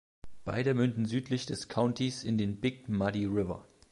Beide münden südlich des Countys in den Big Muddy River.